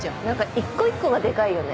一個一個がデカいよね。